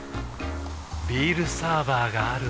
ビールサーバーがある夏。